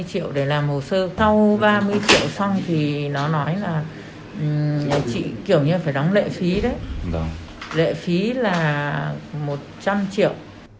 rồi chị kiểu như là chị đóng ba mươi triệu để làm hồ sơ sau ba mươi triệu xong thì nó nói là chị kiểu như là phải đóng lệ phí đấy lệ phí là một trăm linh triệu